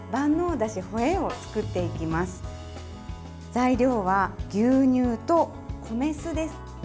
材料は牛乳と米酢です。